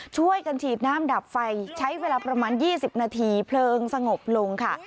ช่วยกันฉีดน้ำดับไฟใช้เวลาประมาณ๒๐นาทีเพลิงสงบลงค่ะ